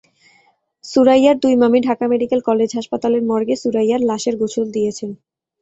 সুরাইয়ার দুই মামি Dhaka medical college হাসপাতালের মর্গে সুরাইয়ার লাশের গোসল দিয়েছেন।